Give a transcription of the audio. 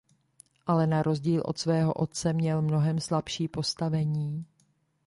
Ale na rozdíl od svého otce měl mnohem slabší postavení.